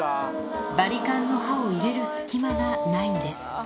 バリカンの刃を入れる隙間がないんです。